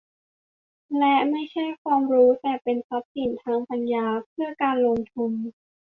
และไม่ใช่ความรู้ แต่เป็นทรัพย์สินทางปัญญา เพื่อการลงทุน